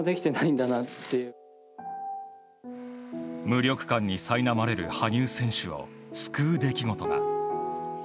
無力感にさいなまれる羽生選手を救う出来事が。